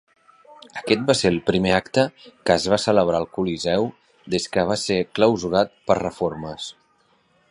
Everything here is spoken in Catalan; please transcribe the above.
Aquest va ser el primer acte que es va celebrar al coliseu des que va ser clausurat per reformes.